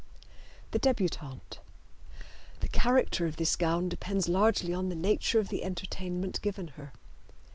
The Debutante. The character of this gown depends largely on the nature of the entertainment given her.